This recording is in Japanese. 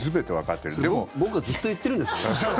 僕はずっと言ってるんですよ。